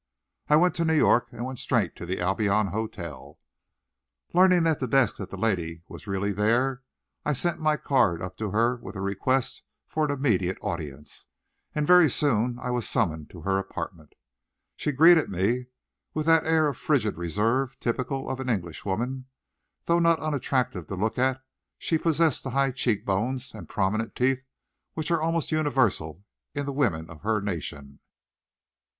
I went to New York and went straight to the Albion Hotel. Learning at the desk that the lady was really there, I sent my card up to her with a request for an immediate audience, and very soon I was summoned to her apartment. She greeted me with that air of frigid reserve typical of an English woman. Though not unattractive to look at, she possessed the high cheekbones and prominent teeth which are almost universal in the women of her nation.